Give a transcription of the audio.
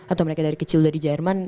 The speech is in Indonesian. atau mereka dari kecil udah di jerman